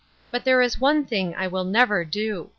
But there is one thing I will never do.